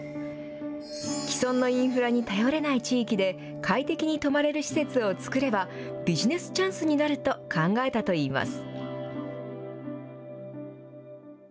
既存のインフラに頼れない地域で、快適に泊まれる施設を作れば、ビジネスチャンスになると考えたといいます。